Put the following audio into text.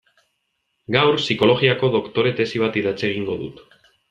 Gaur psikologiako doktore tesi bat idatzi egingo dut.